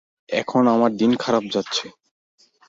এখন আমার দিন খারাপ যাচ্ছে।